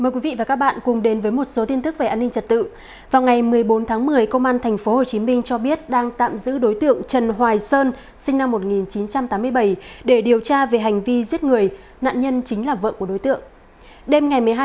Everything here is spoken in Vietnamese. các bạn hãy đăng ký kênh để ủng hộ kênh của chúng mình nhé